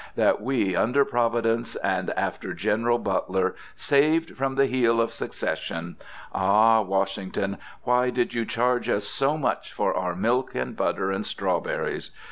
that we, under Providence and after General Butler, saved from the heel of Secession! Ah, Washington, why did you charge us so much for our milk and butter and strawberries?